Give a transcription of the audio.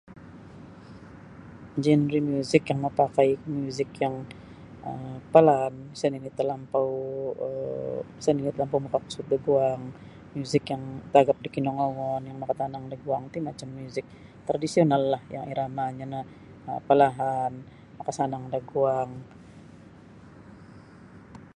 Genre miuzik yang mapakaiku miuzik yang um pelaan isa nini telampau um sa ninilah telampau makakusot da guang miuzik yang tagap da kinongouon yang makatanang da guang ti macam miuzik tradisonallah yang iramanyo no pelahan makasanang da guang.